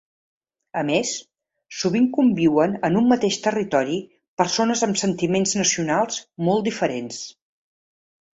A més, sovint conviuen en un mateix territori persones amb sentiments nacionals molt diferents.